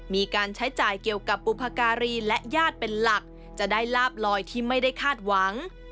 มีการใช้จ่ายเกี่ยวกับบุพการีและญาติเป็นหลักจะได้ลาบลอยที่ไม่ได้คาดหวัง